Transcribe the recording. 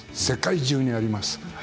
世界中にあります。